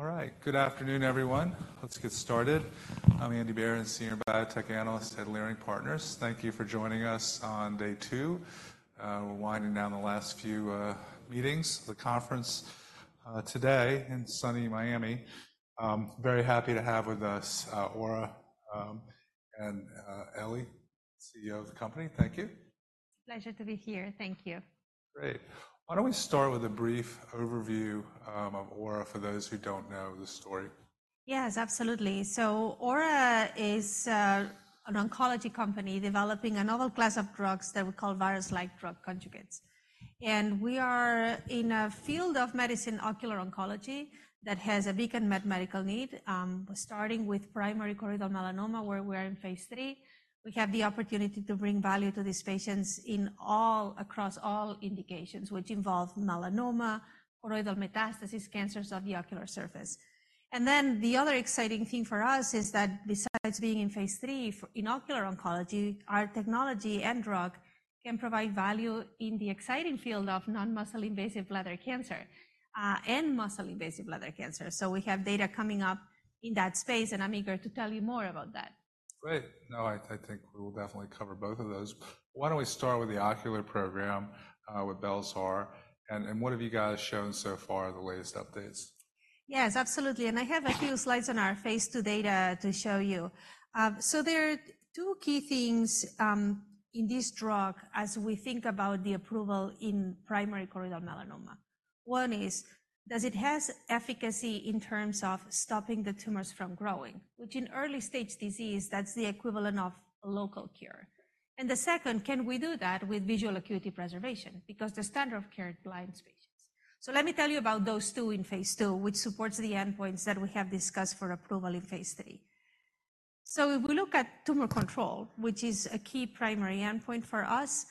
All right. Good afternoon, everyone. Let's get started. I'm Andrew Berens, Senior Biotech Analyst at Leerink Partners. Thank you for joining us on day two. We're winding down the last few meetings, the conference, today in sunny Miami. I'm very happy to have with us, Aura, and Eli, CEO of the company. Thank you. Pleasure to be here. Thank you. Great. Why don't we start with a brief overview of Aura for those who don't know the story? Yes, absolutely. So Aura is an oncology company developing a novel class of drugs that we call virus-like drug conjugates. And we are in a field of medicine, ocular oncology, that has a big unmet medical need, starting with primary choroidal melanoma, where we are in phase III. We have the opportunity to bring value to these patients across all indications, which involve melanoma, choroidal metastasis, cancers of the ocular surface. And then the other exciting thing for us is that besides being in phase III for, in ocular oncology, our technology and drug can provide value in the exciting field of non-muscle invasive bladder cancer, and muscle-invasive bladder cancer. So we have data coming up in that space, and I'm eager to tell you more about that. Great! No, I think we will definitely cover both of those. Why don't we start with the ocular program, with bel-sar, and what have you guys shown so far, the latest updates? Yes, absolutely, and I have a few slides on our phase II data to show you. So there are two key things, in this drug as we think about the approval in primary choroidal melanoma. One is, does it has efficacy in terms of stopping the tumors from growing, which in early-stage disease, that's the equivalent of a local cure. And the second, can we do that with visual acuity preservation? Because the standard of care blinds patients. So let me tell you about those two in phase II, which supports the endpoints that we have discussed for approval in phase III. So if we look at tumour control, which is a key primary endpoint for us,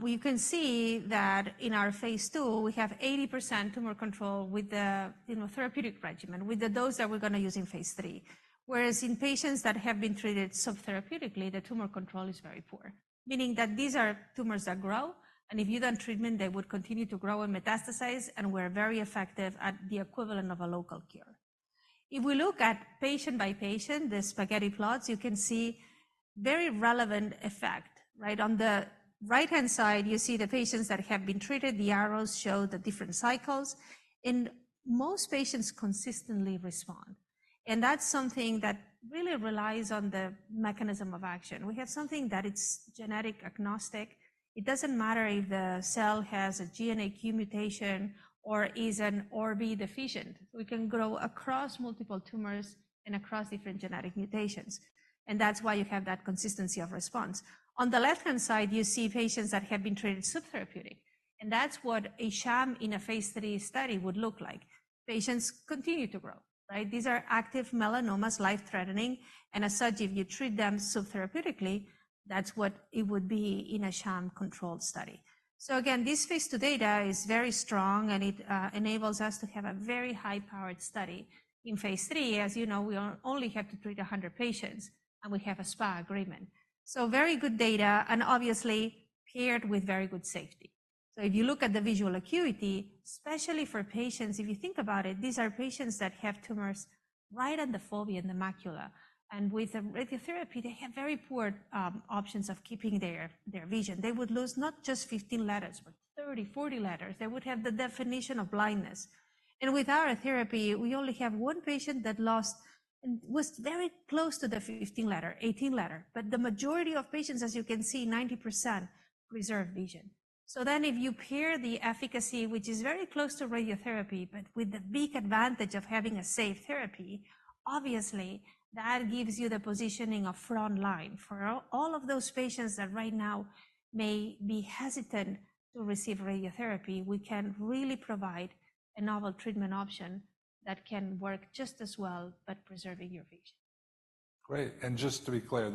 we can see that in our phase II, we have 80% tumor control with the, you know, therapeutic regimen, with the dose that we're going to use in phase III. Whereas in patients that have been treated subtherapeutically, the tumor control is very poor, meaning that these are tumours that grow, and if you don't treatment, they would continue to grow and metastasize, and we're very effective at the equivalent of a local cure. If we look at patient by patient, the spaghetti plots, you can see very relevant effect, right? On the right-hand side, you see the patients that have been treated. The arrows show the different cycles, and most patients consistently respond, and that's something that really relies on the mechanism of action. We have something that it's genetic agnostic. It doesn't matter if the cell has a GNAQ mutation or is BAP1 deficient. We can grow across multiple tumors and across different genetic mutations, and that's why you have that consistency of response. On the left-hand side, you see patients that have been treated subtherapeutic, and that's what a sham in a phase III study would look like. Patients continue to grow, right? These are active melanomas, life-threatening, and as such, if you treat them subtherapeutically, that's what it would be in a sham-controlled study. So again, this phase II data is very strong, and it enables us to have a very high-powered study. In phase III, as you know, we only have to treat 100 patients, and we have a SPA agreement. So very good data and obviously paired with very good safety. So if you look at the visual acuity, especially for patients, if you think about it, these are patients that have tumors right on the fovea and the macula, and with radiotherapy, they have very poor options of keeping their vision. They would lose not just 15 letters, but 30, 40 letters. They would have the definition of blindness. And with our therapy, we only have one patient that lost and was very close to the 15-letter, 18-letter, but the majority of patients, as you can see, 90% preserved vision. So then, if you pair the efficacy, which is very close to radiotherapy, but with the big advantage of having a safe therapy, obviously, that gives you the positioning of frontline. For all of those patients that right now may be hesitant to receive radiotherapy, we can really provide a novel treatment option that can work just as well, but preserving your vision. Great, and just to be clear,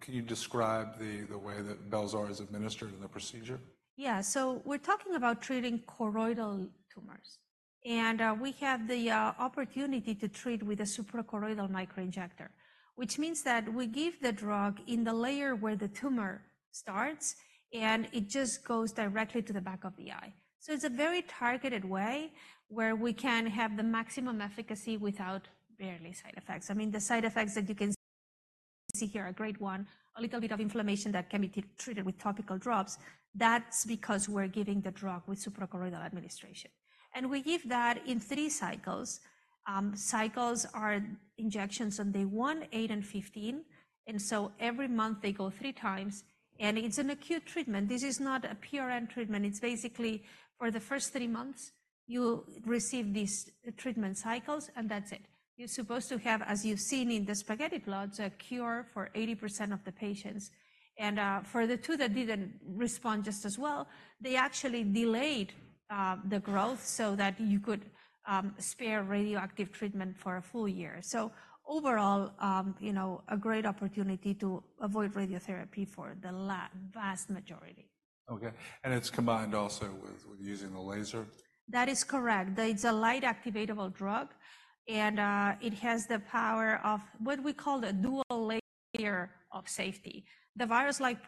can you describe the, the way that bel-sar is administered in the procedure? Yeah. We're talking about treating choroidal tumors, and we have the opportunity to treat with a suprachoroidal microinjector, which means that we give the drug in the layer where the tumor starts, and it just goes directly to the back of the eye. So it's a very targeted way where we can have the maximum efficacy without barely side effects. I mean, the side effects that you can see here are grade 1, a little bit of inflammation that can be treated with topical drops. That's because we're giving the drug with suprachoroidal administration, and we give that in 3 cycles. Cycles are injections on day 1, 8, and 15, and so every month they go 3 times, and it's an acute treatment. This is not a PRN treatment. It's basically for the first 3 months, you'll receive these treatment cycles, and that's it. You're supposed to have, as you've seen in the spaghetti plots, a cure for 80% of the patients. And for the two that didn't respond just as well, they actually delayed the growth so that you could spare radioactive treatment for a full year. So overall, you know, a great opportunity to avoid radiotherapy for the vast majority. Okay, and it's combined also with using the laser? That is correct. There is a light-activatable drug... and it has the power of what we call the dual layer of safety. The virus-like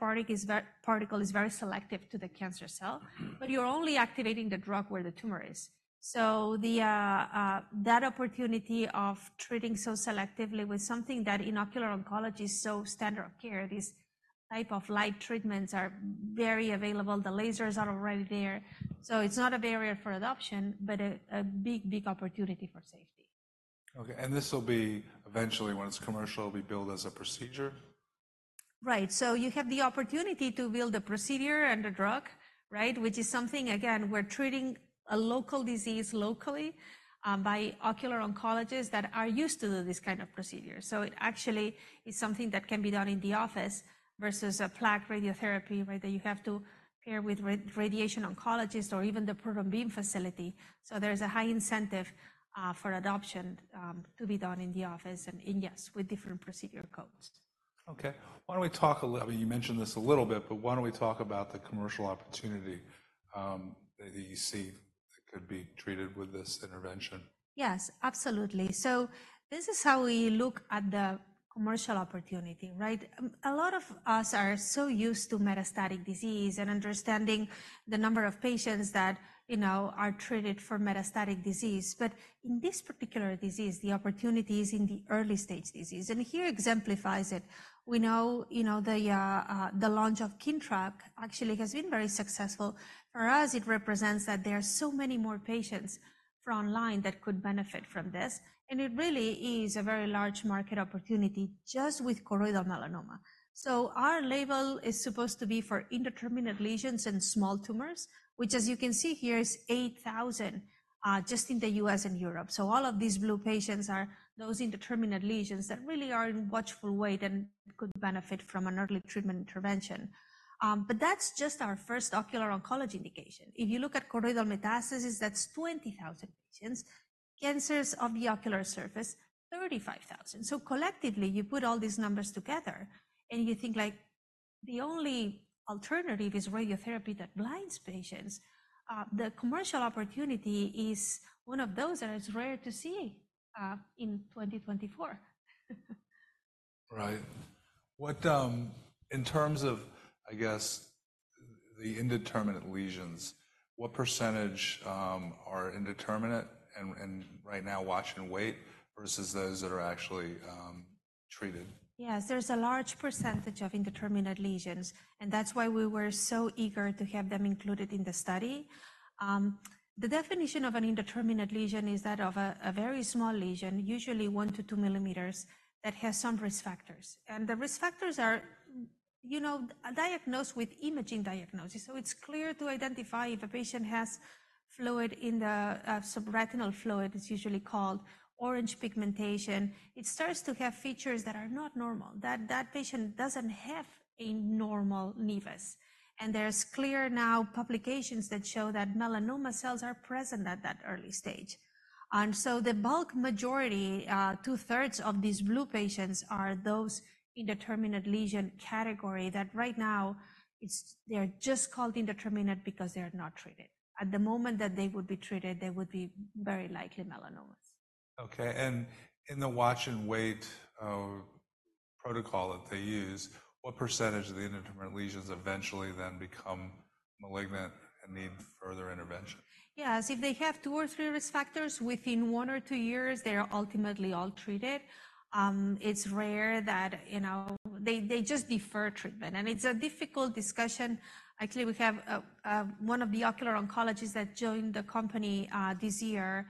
particle is very selective to the cancer cell- Mm. But you're only activating the drug where the tumor is. So, that opportunity of treating so selectively with something that in ocular oncology is so standard of care, these type of light treatments are very available. The lasers are already there, so it's not a barrier for adoption, but a big, big opportunity for safety. Okay, and this will be, eventually, when it's commercial, will be billed as a procedure? Right. So you have the opportunity to build a procedure and a drug, right? Which is something, again, we're treating a local disease locally, by ocular oncologists that are used to do this kind of procedure. So it actually is something that can be done in the office versus a plaque radiotherapy, right, that you have to pair with radiation oncologist or even the proton beam facility. So there's a high incentive, for adoption, to be done in the office and, and yes, with different procedure codes. Okay. Why don't we talk a little, I mean, you mentioned this a little bit, but why don't we talk about the commercial opportunity that you see that could be treated with this intervention? Yes, absolutely. So this is how we look at the commercial opportunity, right? A lot of us are so used to metastatic disease and understanding the number of patients that, you know, are treated for metastatic disease. But in this particular disease, the opportunity is in the early stage disease, and here exemplifies it. We know, you know, the launch of KEYTRUDA actually has been very successful. For us, it represents that there are so many more patients front line that could benefit from this, and it really is a very large market opportunity just with choroidal melanoma. So our label is supposed to be for indeterminate lesions and small tumors, which, as you can see here, is 8,000 just in the U.S. and Europe. So all of these blue patients are those indeterminate lesions that really are in watchful wait and could benefit from an early treatment intervention. But that's just our first ocular oncology indication. If you look at choroidal metastasis, that's 20,000 patients. Cancers of the ocular surface, 35,000. So collectively, you put all these numbers together, and you think, like, the only alternative is radiotherapy that blinds patients. The commercial opportunity is one of those, and it's rare to see, in 2024. Right. What, in terms of, I guess, the indeterminate lesions, what percentage are indeterminate and right now watch and wait, versus those that are actually treated? Yes, there's a large percentage of indeterminate lesions, and that's why we were so eager to have them included in the study. The definition of an indeterminate lesion is that of a very small lesion, usually 1-2 millimeters, that has some risk factors. The risk factors are, you know, diagnosed with imaging diagnosis, so it's clear to identify if a patient has fluid in the subretinal fluid, it's usually called orange pigmentation. It starts to have features that are not normal, that that patient doesn't have a normal nevus, and there's clear now publications that show that melanoma cells are present at that early stage. And so the bulk majority, two-thirds of these blue patients are those indeterminate lesion category that right now is—they're just called indeterminate because they are not treated. At the moment that they would be treated, they would be very likely melanomas. Okay, and in the watch-and-wait protocol that they use, what percentage of the indeterminate lesions eventually then become malignant and need further intervention? Yes, if they have two or three risk factors, within one or two years, they are ultimately all treated. It's rare that, you know, they just defer treatment, and it's a difficult discussion. Actually, we have one of the ocular oncologists that joined the company this year,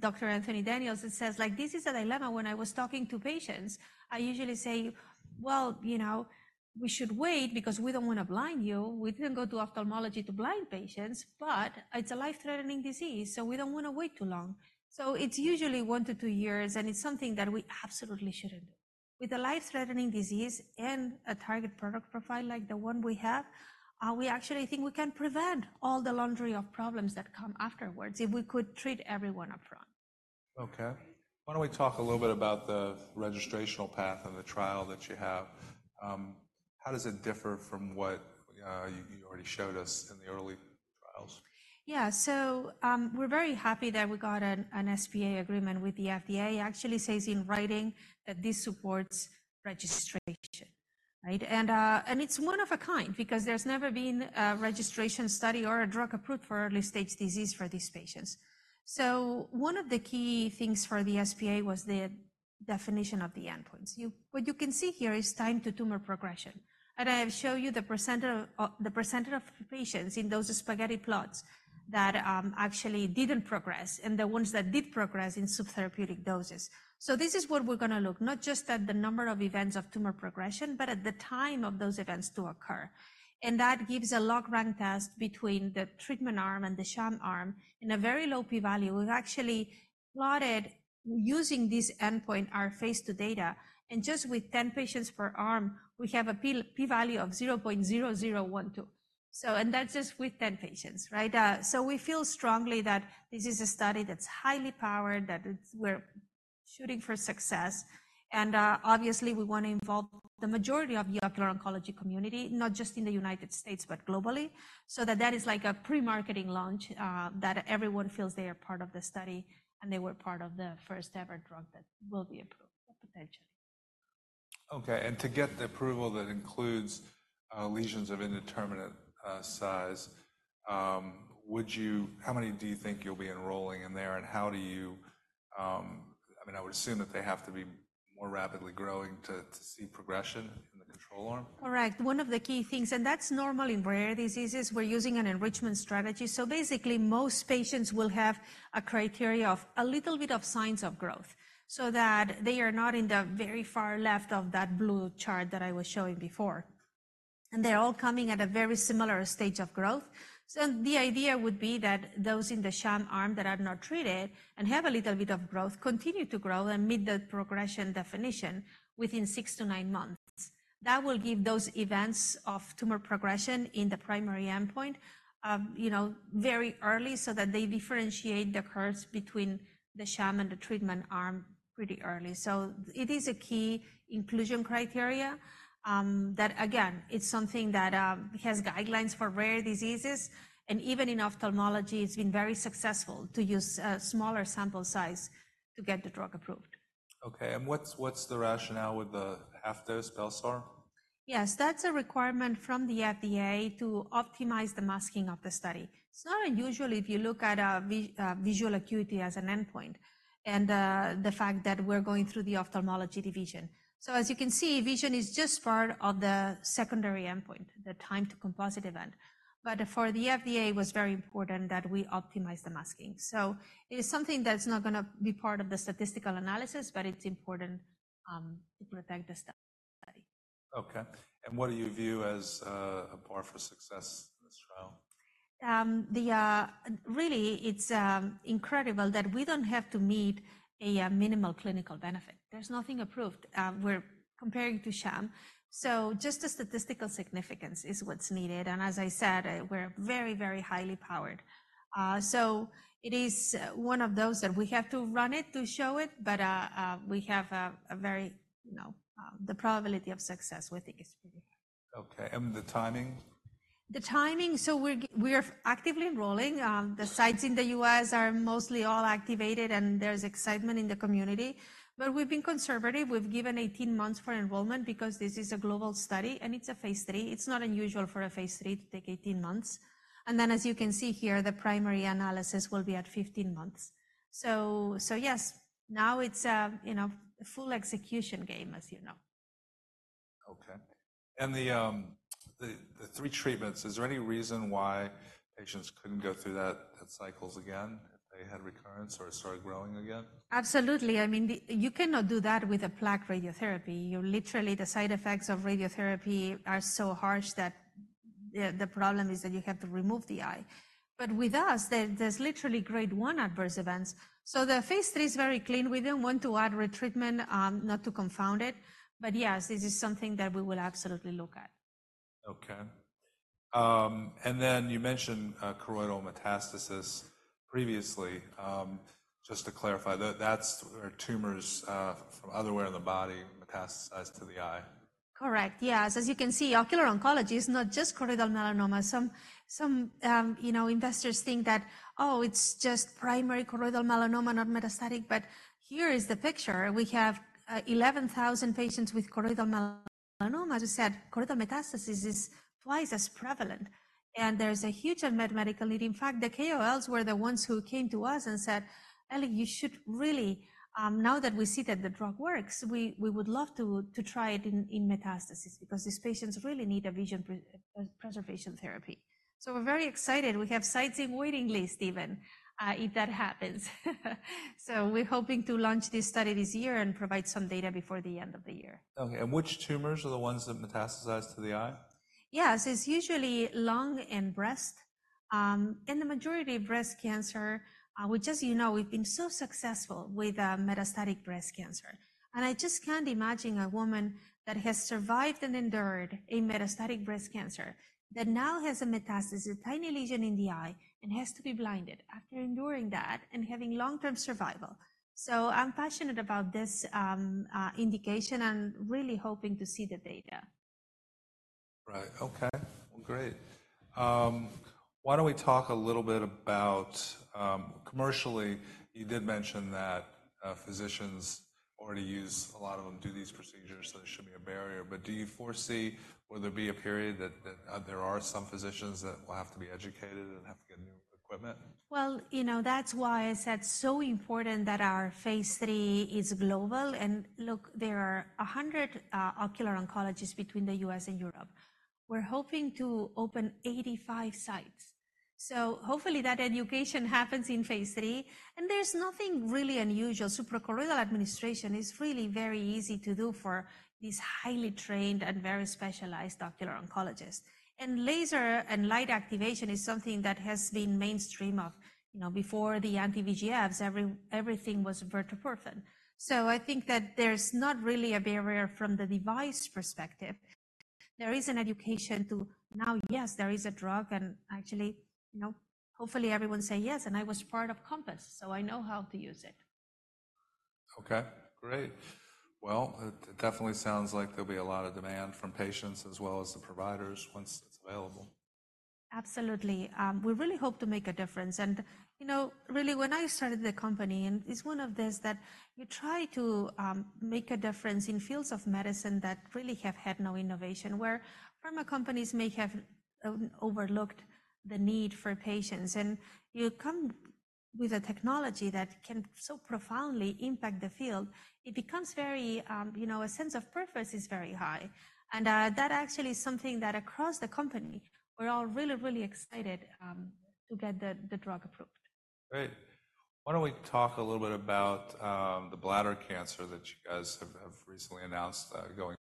Dr. Anthony Daniels, that says, like, "This is a dilemma when I was talking to patients. I usually say, 'Well, you know, we should wait because we don't want to blind you. We didn't go to ophthalmology to blind patients,' but it's a life-threatening disease, so we don't want to wait too long." So it's usually one to two years, and it's something that we absolutely shouldn't do. With a life-threatening disease and a target product profile like the one we have, we actually think we can prevent all the litany of problems that come afterwards if we could treat everyone upfront. Okay. Why don't we talk a little bit about the registrational path of the trial that you have. How does it differ from what you already showed us in the early trials? Yeah. So, we're very happy that we got an SPA agreement with the FDA. Actually says in writing that this supports registration, right? And, and it's one of a kind because there's never been a registration study or a drug approved for early-stage disease for these patients. So one of the key things for the SPA was the definition of the endpoints. What you can see here is time to tumor progression, and I'll show you the percent of the percentage of patients in those spaghetti plots that actually didn't progress, and the ones that did progress in subtherapeutic doses. So this is where we're gonna look, not just at the number of events of tumor progression, but at the time of those events to occur. And that gives a log-rank test between the treatment arm and the sham arm in a very low p-value. We've actually plotted using this endpoint, our phase II data, and just with 10 patients per arm, we have a p-value of 0.0012. So, and that's just with 10 patients, right? So we feel strongly that this is a study that's highly powered, that it's we're shooting for success. And, obviously, we want to involve the majority of the ocular oncology community, not just in the United States, but globally. So that that is like a pre-marketing launch, that everyone feels they are part of the study, and they were part of the first-ever drug that will be approved, potentially. Okay, and to get the approval that includes lesions of indeterminate size, would you—how many do you think you'll be enrolling in there, and how do you... I mean, I would assume that they have to be more rapidly growing to see progression in the control arm? Correct. One of the key things, and that's normal in rare diseases, we're using an enrichment strategy. So basically, most patients will have a criteria of a little bit of signs of growth so that they are not in the very far left of that blue chart that I was showing before, and they're all coming at a very similar stage of growth. So the idea would be that those in the sham arm that are not treated and have a little bit of growth, continue to grow and meet the progression definition within 6-9 months. That will give those events of tumor progression in the primary endpoint, you know, very early, so that they differentiate the curves between the sham and the treatment arm pretty early. It is a key inclusion criteria, that, again, it's something that, has guidelines for rare diseases, and even in ophthalmology, it's been very successful to use a smaller sample size to get the drug approved. Okay, and what's the rationale with the half-dose bel-sar? Yes, that's a requirement from the FDA to optimize the masking of the study. It's not unusual if you look at visual acuity as an endpoint and the fact that we're going through the ophthalmology division. So, as you can see, vision is just part of the secondary endpoint, the time to composite event. But for the FDA, it was very important that we optimize the masking. So it is something that's not gonna be part of the statistical analysis, but it's important to protect the study. Okay. And what do you view as a bar for success in this trial? Really, it's incredible that we don't have to meet a minimal clinical benefit. There's nothing approved. We're comparing to sham, so just a statistical significance is what's needed, and as I said, we're very, very highly powered. So it is one of those that we have to run it to show it, but we have a very, you know, the probability of success we think is pretty high. Okay, and the timing? The timing, so we are actively enrolling. The sites in the US are mostly all activated, and there's excitement in the community. But we've been conservative. We've given 18 months for enrollment because this is a global study, and it's a phase III. It's not unusual for a phase III to take 18 months. And then, as you can see here, the primary analysis will be at 15 months. So, so yes, now it's a, you know, full execution game, as you know. Okay. And the three treatments, is there any reason why patients couldn't go through that, the cycles again, if they had recurrence or it started growing again? Absolutely. I mean, you cannot do that with plaque radiotherapy. You literally, the side effects of radiotherapy are so harsh that the problem is that you have to remove the eye. But with us, there's literally grade one adverse events. So the phase III is very clean. We don't want to add retreatment, not to confound it. But yes, this is something that we will absolutely look at. Okay. And then you mentioned choroidal metastasis previously. Just to clarify, that's where tumors from elsewhere in the body metastasize to the eye? Correct. Yes. As you can see, ocular oncology is not just choroidal melanoma. Some, you know, investors think that, "Oh, it's just primary choroidal melanoma, not metastatic." But here is the picture. We have 11,000 patients with choroidal melanoma. As I said, choroidal metastasis is twice as prevalent, and there's a huge unmet medical need. In fact, the KOLs were the ones who came to us and said, "Eli, you should really, now that we see that the drug works, we would love to try it in metastasis because these patients really need a vision preservation therapy." So we're very excited. We have sites in waiting list even, if that happens. So we're hoping to launch this study this year and provide some data before the end of the year. Okay, and which tumors are the ones that metastasize to the eye? Yes, it's usually lung and breast. And the majority of breast cancer, which, as you know, we've been so successful with, metastatic breast cancer. And I just can't imagine a woman that has survived and endured a metastatic breast cancer, that now has a metastasis, a tiny lesion in the eye, and has to be blinded after enduring that and having long-term survival. So I'm passionate about this indication and really hoping to see the data. Right. Okay. Well, great. Why don't we talk a little bit about, commercially, you did mention that, physicians already use a lot of them do these procedures, so there shouldn't be a barrier. But do you foresee, will there be a period that there are some physicians that will have to be educated and have to get new equipment? Well, you know, that's why I said it's so important that our phase III is global. And look, there are 100 ocular oncologists between the U.S. and Europe. We're hoping to open 85 sites. So hopefully, that education happens in phase III, and there's nothing really unusual. Suprachoroidal administration is really very easy to do for these highly trained and very specialized ocular oncologists. And laser and light activation is something that has been mainstream of... You know, before the anti-VEGFs, everything was verteporfin. So I think that there's not really a barrier from the device perspective. There is an education to now, yes, there is a drug, and actually, you know, hopefully everyone say yes, and I was part of COMPASS, so I know how to use it. Okay, great. Well, it definitely sounds like there'll be a lot of demand from patients as well as the providers once it's available. Absolutely. We really hope to make a difference, and, you know, really, when I started the company, and it's one of those that you try to make a difference in fields of medicine that really have had no innovation, where pharma companies may have overlooked the need for patients. And you come with a technology that can so profoundly impact the field, it becomes very, you know, a sense of purpose is very high, and that actually is something that across the company, we're all really, really excited to get the, the drug approved. Great. Why don't we talk a little bit about the bladder cancer that you guys have recently announced going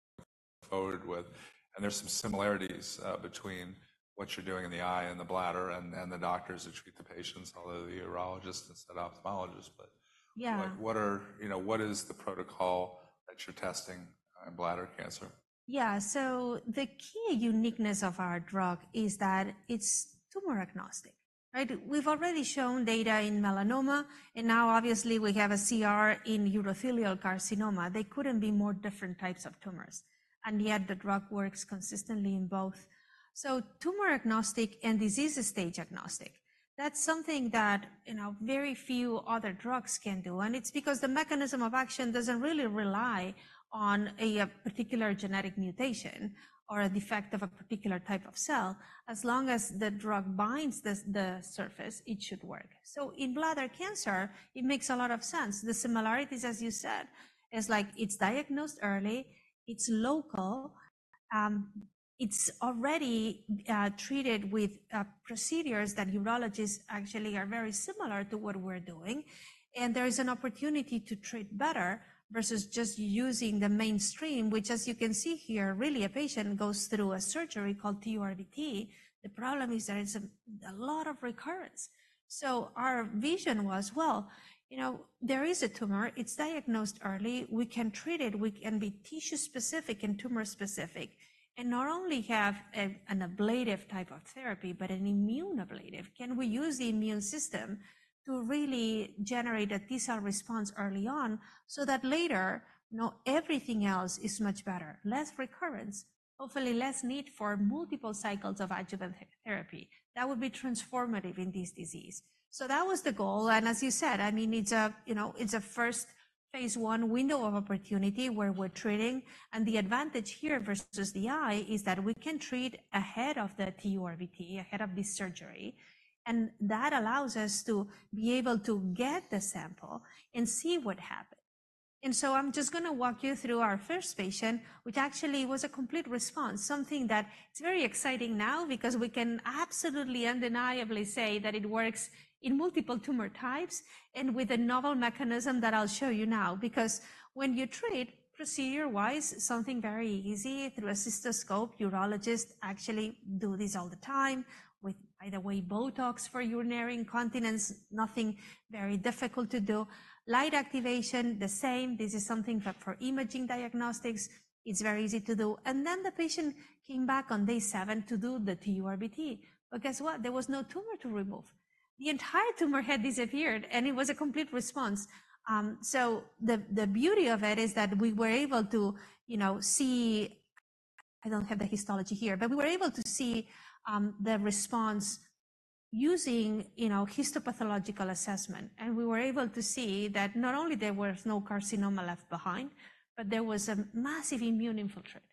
forward with? And there's some similarities between what you're doing in the eye and the bladder, and the doctors that treat the patients, although the urologist instead of ophthalmologist, but- Yeah. Like, you know, what is the protocol that you're testing in bladder cancer? Yeah. So the key uniqueness of our drug is that it's tumor agnostic, right? We've already shown data in melanoma, and now obviously we have a CR in urothelial carcinoma. They couldn't be more different types of tumors, and yet the drug works consistently in both. So tumor agnostic and disease stage agnostic. That's something that, you know, very few other drugs can do, and it's because the mechanism of action doesn't really rely on a particular genetic mutation or a defect of a particular type of cell. As long as the drug binds the surface, it should work. So in bladder cancer, it makes a lot of sense. The similarities, as you said, is like, it's diagnosed early, it's local, it's already treated with procedures that urologists actually are very similar to what we're doing, and there is an opportunity to treat better versus just using the mainstream, which, as you can see here, really, a patient goes through a surgery called TURBT. The problem is there is a lot of recurrence. So our vision was, well, you know, there is a tumor. It's diagnosed early. We can treat it. We can be tissue-specific and tumor-specific, and not only have an ablative type of therapy, but an immune ablative. Can we use the immune system to really generate a T cell response early on, so that later, you know, everything else is much better? Less recurrence, hopefully less need for multiple cycles of adjuvant therapy. That would be transformative in this disease. So that was the goal, and as you said, I mean, it's a, you know, it's a first phase 1 window of opportunity where we're treating, and the advantage here versus the eye is that we can treat ahead of the TURBT, ahead of this surgery, and that allows us to be able to get the sample and see what happens. And so I'm just gonna walk you through our first patient, which actually was a complete response, something that is very exciting now because we can absolutely undeniably say that it works in multiple tumor types and with a novel mechanism that I'll show you now. Because when you treat, procedure-wise, something very easy through a cystoscope, urologists actually do this all the time with, by the way, Botox for urinary incontinence, nothing very difficult to do. Light activation, the same. This is something for imaging diagnostics. It's very easy to do. And then the patient came back on day seven to do the TURBT, but guess what? There was no tumor to remove. The entire tumor had disappeared, and it was a complete response. So the beauty of it is that we were able to, you know, see... I don't have the histology here, but we were able to see the response using, you know, histopathological assessment, and we were able to see that not only there was no carcinoma left behind, but there was a massive immune infiltrate.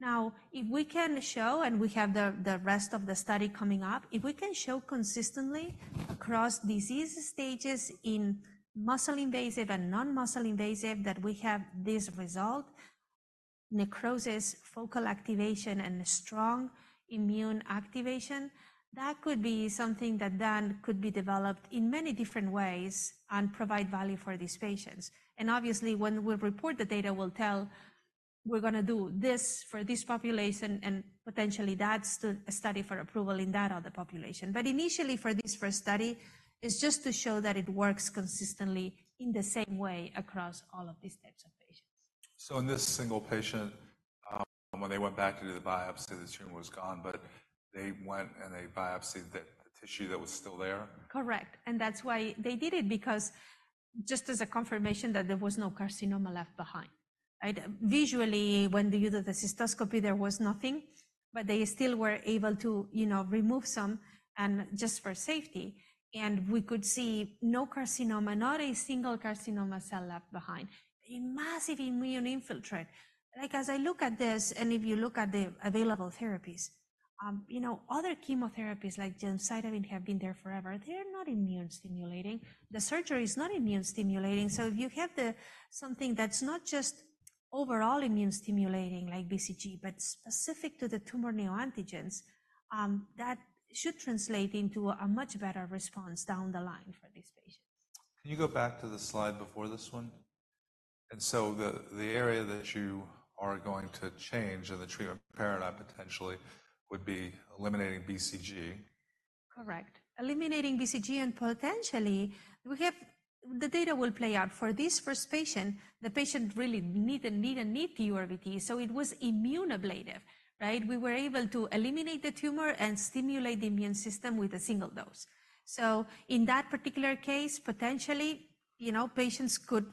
Now, if we can show, and we have the rest of the study coming up, if we can show consistently across disease stages in muscle-invasive and non-muscle-invasive, that we have this result, necrosis, focal activation, and strong immune activation, that could be something that then could be developed in many different ways and provide value for these patients. And obviously, when we report the data, we'll tell, we're gonna do this for this population and potentially that study for approval in that other population. But initially, for this first study, it's just to show that it works consistently in the same way across all of these types of patients. So in this single patient, when they went back to do the biopsy, the tumor was gone, but they went, and they biopsied the tissue that was still there? Correct, and that's why they did it because just as a confirmation that there was no carcinoma left behind, right? Visually, when they did the cystoscopy, there was nothing, but they still were able to, you know, remove some, and just for safety, and we could see no carcinoma, not a single carcinoma cell left behind, a massive immune infiltrate. Like, as I look at this, and if you look at the available therapies, you know, other chemotherapies like gemcitabine have been there forever. They're not immune-stimulating. The surgery is not immune-stimulating. So if you have the, something that's not just overall immune-stimulating, like BCG, but specific to the tumor neoantigens, that should translate into a much better response down the line for these patients. Can you go back to the slide before this one? So the area that you are going to change or the treatment paradigm potentially would be eliminating BCG?... Correct. Eliminating BCG and potentially, we have the data will play out. For this first patient, the patient really didn't need a TURBT, so it was immune ablative, right? We were able to eliminate the tumor and stimulate the immune system with a single dose. So in that particular case, potentially, you know, patients could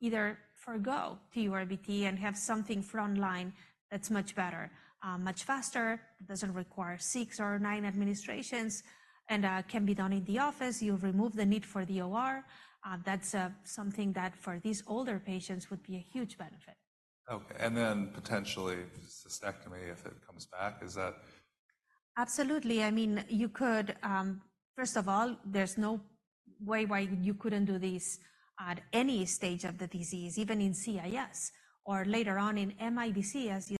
either forego TURBT and have something frontline that's much better, much faster, doesn't require six or nine administrations, and can be done in the office. You remove the need for the OR. That's something that for these older patients would be a huge benefit. Okay, and then potentially cystectomy if it comes back, is that? Absolutely. I mean, you could. First of all, there's no way why you couldn't do this at any stage of the disease, even in CIS or later on in MIBC, as you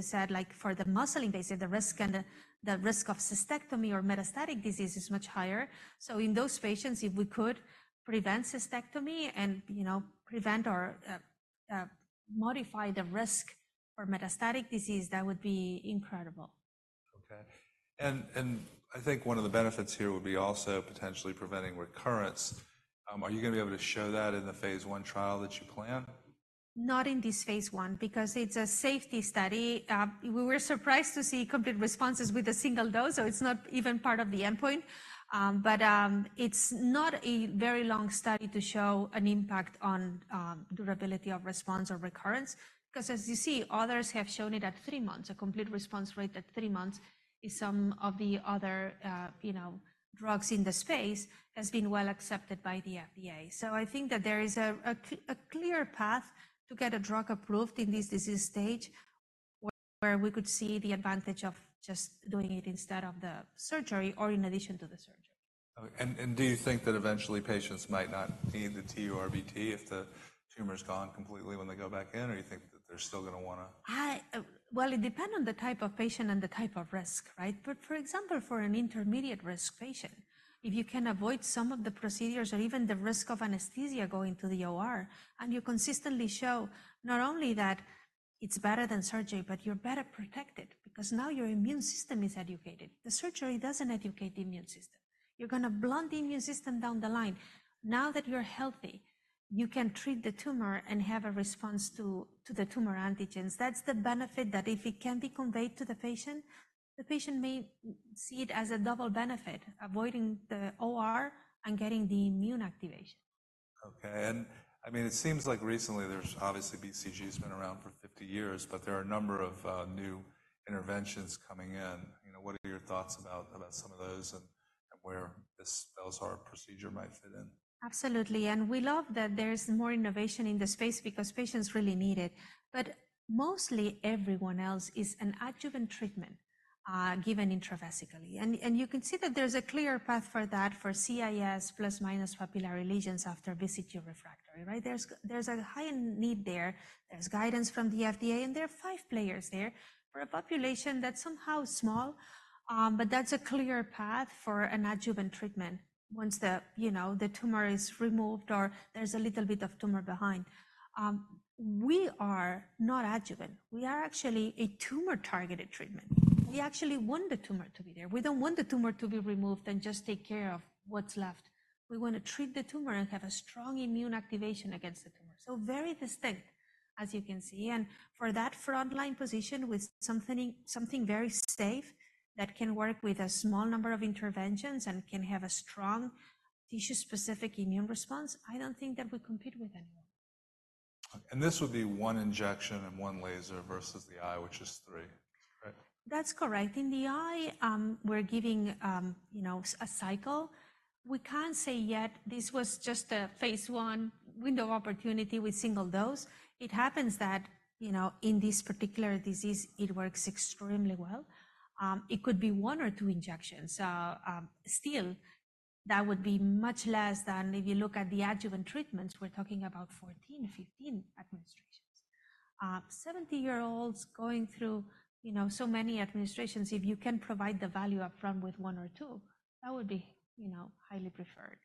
said. Like, for the muscle invasive, the risk of cystectomy or metastatic disease is much higher. So in those patients, if we could prevent cystectomy and, you know, prevent or modify the risk for metastatic disease, that would be incredible. Okay. I think one of the benefits here would be also potentially preventing recurrence. Are you going to be able to show that in the phase I trial that you planned? Not in this phase I, because it's a safety study. We were surprised to see complete responses with a single dose, so it's not even part of the endpoint. But it's not a very long study to show an impact on durability of response or recurrence. Because, as you see, others have shown it at three months. A complete response rate at three months in some of the other, you know, drugs in the space has been well accepted by the FDA. So I think that there is a clear path to get a drug approved in this disease stage, where we could see the advantage of just doing it instead of the surgery or in addition to the surgery. Okay, and do you think that eventually patients might not need the TURBT if the tumor's gone completely when they go back in, or you think that they're still going to wanna? Well, it depends on the type of patient and the type of risk, right? But for example, for an intermediate-risk patient, if you can avoid some of the procedures or even the risk of anaesthesia going to the OR, and you consistently show not only that it's better than surgery, but you're better protected because now your immune system is educated. The surgery doesn't educate the immune system. You're going to blunt the immune system down the line. Now that you're healthy, you can treat the tumour and have a response to, to the tumour antigens. That's the benefit that if it can be conveyed to the patient, the patient may see it as a double benefit, avoiding the OR and getting the immune activation. Okay, and I mean, it seems like recently, there's, obviously, BCG's been around for 50 years, but there are a number of new interventions coming in. You know, what are your thoughts about some of those and where this bel-sar procedure might fit in? Absolutely, and we love that there's more innovation in this space because patients really need it. But mostly everyone else is an adjuvant treatment given intravesically, and you can see that there's a clear path for that for CIS plus minus papillary lesions after BCG refractory, right? There's a high need there, there's guidance from the FDA, and there are five players there for a population that's somehow small. But that's a clear path for an adjuvant treatment once the, you know, the tumor is removed or there's a little bit of tumor behind. We are not adjuvant. We are actually a tumor-targeted treatment. We actually want the tumor to be there. We don't want the tumor to be removed and just take care of what's left. We want to treat the tumor and have a strong immune activation against the tumor. Very distinct, as you can see. For that frontline position with something, something very safe that can work with a small number of interventions and can have a strong tissue-specific immune response, I don't think that we compete with anyone. This would be one injection and one laser versus the eye, which is three, correct? That's correct. In the eye, we're giving, you know, a cycle. We can't say yet. This was just a phase I window of opportunity with single dose. It happens that, you know, in this particular disease, it works extremely well. It could be 1 or 2 injections. Still, that would be much less than if you look at the adjuvant treatments, we're talking about 14, 15 administrations. Seventy-year-olds going through, you know, so many administrations, if you can provide the value upfront with 1 or 2, that would be, you know, highly preferred.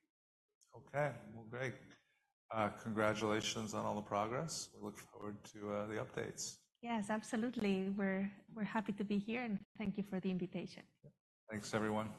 Okay. Well, great. Congratulations on all the progress. We look forward to the updates. Yes, absolutely. We're happy to be here, and thank you for the invitation. Thanks, everyone.